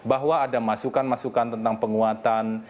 bahwa ada masukan masukan tentang penguatan